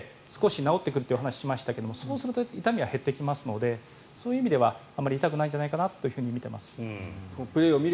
もしかしたらちょっと前に痛めて少し前に治ってくるという話をしましたがそうすると痛みは減ってくるのでそういう意味ではあまり痛くないんじゃないかと見ています。